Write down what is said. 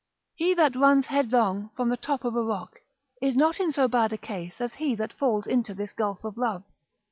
He that runs headlong from the top of a rock is not in so bad a case as he that falls into this gulf of love.